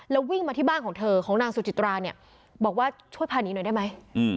แล้ววิ่งมาที่บ้านของเธอของนางสุจิตราเนี่ยบอกว่าช่วยพาหนีหน่อยได้ไหม